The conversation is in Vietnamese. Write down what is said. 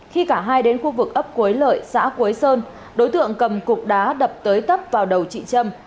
khi cả hai đến khu vực ấp quế lợi xã quế sơn đối tượng cầm cục đá đập tới tấp vào đầu chị trâm